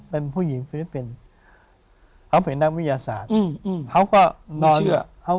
เป็นผู้หญิงฟิลิปเป็นเขาเป็นนักวิทยาศาสตร์อืมอืมเขาก็ไม่เชื่อ